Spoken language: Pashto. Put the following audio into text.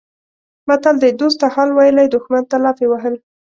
متل دی: دوست ته حال ویلی دښمن ته لافې وهل.